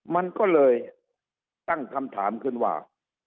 มันก็เลยตั้งคำถามขึ้นว่า